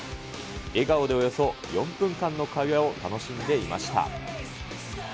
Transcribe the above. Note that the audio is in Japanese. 笑顔でおよそ４分間の会話を楽しんでいました。